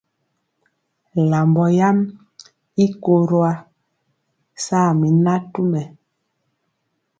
Lambɔ yam i koro ya saa mi natumɛ.